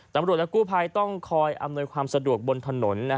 ตำรวจและกู้ภัยต้องคอยอำนวยความสะดวกบนถนน